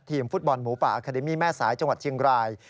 ทีมฟุตบอลหมูป่าแม่สายจังหวัดเจียงราย